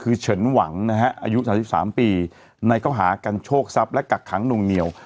คือเฉินหวังนะฮะอายุ๓๓ปีในข้อหากันโชคทรัพย์และกักขังหน่วงเหนียว